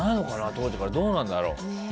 当時から、どうなんだろう。